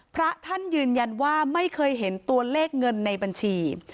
พระท่านยืนยันว่าไม่เคยเห็นตัวเลขเงินในบัญชี